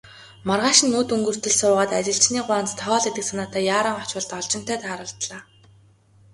Маргааш нь үд өнгөртөл суугаад, ажилчны гуанзанд хоол идэх санаатай яаран очвол Должинтой тааралдлаа.